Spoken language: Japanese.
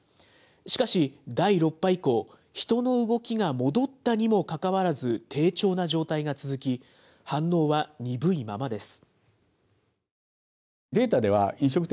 しかし、第６波以降、人の動きが戻ったにもかかわらず、低調な状態が続き、反応は鈍いままです。